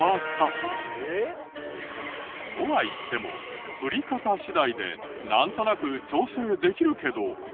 とはいっても振り方次第でなんとなく調整できるけど。